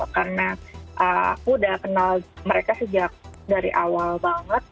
karena aku udah kenal mereka sejak dari awal banget